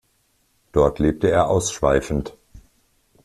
Dort lebt er ausschweifend.